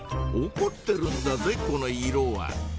おこってるんだぜこの色は。